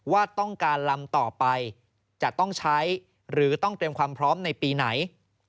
ว่าต้องการลำต่อไปจะต้องใช้หรือต้องเตรียมความพร้อมในปีไหน